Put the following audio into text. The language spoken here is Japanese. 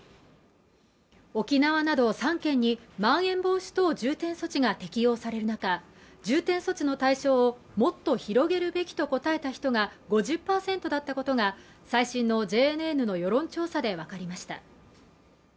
沖縄など３県にまん延防止等重点措置が適用される中重点措置の対象をもっと広げるべきと答えた人が５０％だったことが最新のＪＮＮの世論調査でわかりました